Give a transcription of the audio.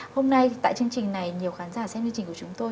hôm nay tại chương trình này nhiều khán giả xem chương trình của chúng tôi